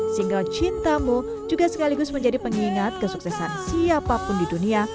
single cintamu juga sekaligus menjadi pengingat kesuksesan siapapun di dunia